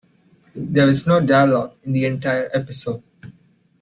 There is no dialogue in the entire episode.